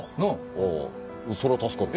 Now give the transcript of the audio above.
あぁそれは助かる。